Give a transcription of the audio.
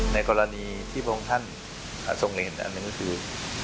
ในกรณีที่บริษัทท่านทรงเรียนอันนั้นก็คือ